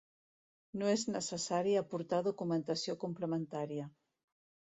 No és necessari aportar documentació complementària.